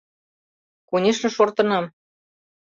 — Конешне, шортынам...